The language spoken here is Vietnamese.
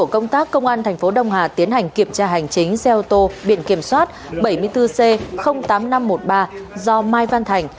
công an tp đông hà tiến hành kiểm tra hành chính xe ô tô biện kiểm soát bảy mươi bốn c tám nghìn năm trăm một mươi ba do mai văn thành